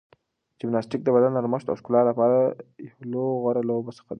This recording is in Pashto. جمناستیک د بدن د نرمښت او ښکلا لپاره یو له غوره لوبو څخه ده.